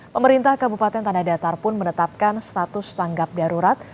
pemerintah kabupaten tanah datar pun menetapkan status tanggap darurat